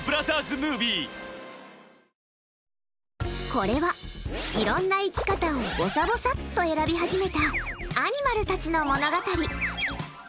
これは、いろんな生き方をぼさぼさっと選び始めたアニマルたちの物語。